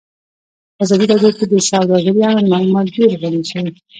په ازادي راډیو کې د سوداګري اړوند معلومات ډېر وړاندې شوي.